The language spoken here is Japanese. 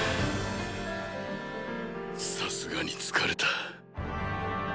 さすがに疲れた。